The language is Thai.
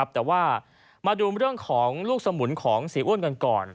แต่ว่ามาดูเรื่องของลูกสมุนของเสียอ้วนกันก่อน